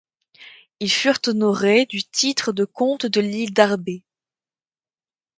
Ils furent honorés du titre de comte de l'île d'Arbé.